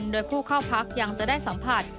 โดยผู้เข้าพักยังจะได้สัมผัส